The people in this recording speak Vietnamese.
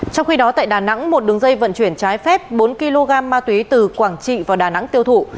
trong khi đó tại đà nẵng một đường dây vận chuyển trái phép bốn kg ma túy từ quảng trị vào đà nẵng tiêu thụ